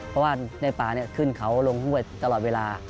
เพราะว่าในป่าขึ้นเขาลงห้วยตลอดเวลา